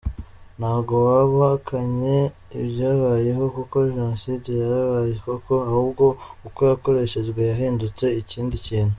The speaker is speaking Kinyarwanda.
Ntabwo waba uhakanye ibyabayeho kuko jenoside yarabaye koko, ahubwo uko yakoreshejwe yahindutse ikindi kintu.